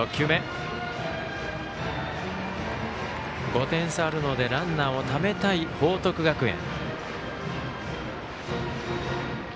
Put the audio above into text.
５点差あるのでランナーをためたい報徳学園。